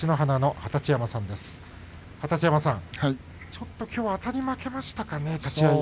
二十山さん、ちょっときょうはあたり負けましたかね立ち合い。